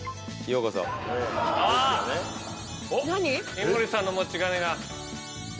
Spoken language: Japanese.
井森さんの持ち金が。